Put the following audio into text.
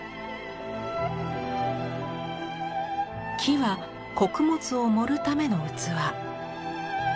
は穀物を盛るための器。